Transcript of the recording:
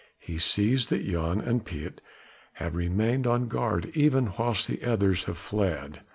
He sees that Jan and Piet have remained on guard even whilst the others have fled.